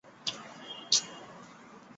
特里试着成为派对的核心人物。